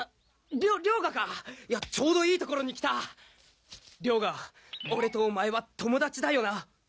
ありょ良牙かいやちょうどいいところに来た良牙俺とおまえは友達だよな？